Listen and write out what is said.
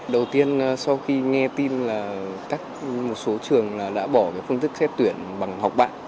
đầu tiên sau khi nghe tin là một số trường đã bỏ phương thức xét tuyển bằng học bạ